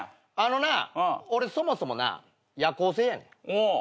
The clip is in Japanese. あのな俺そもそもな夜行性やねん。